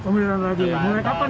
mulai kapan ya bang